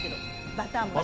バター餅。